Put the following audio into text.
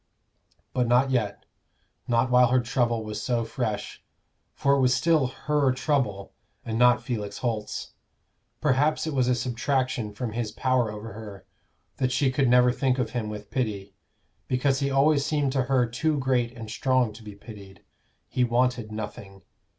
But not yet not while her trouble was so fresh. For it was still her trouble, and not Felix Holt's. Perhaps it was a subtraction from his power over her, that she could never think of him with pity, because he always seemed to her too great and strong to be pitied; he wanted nothing.